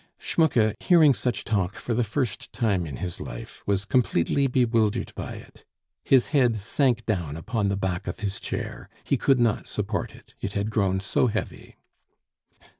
Schmucke, hearing such talk for the first time in his life, was completely bewildered by it; his head sank down upon the back of his chair he could not support it, it had grown so heavy.